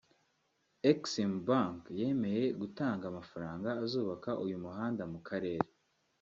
Exim Bank yemeye gutanga amafaranga azubaka uyu muhanda mu karere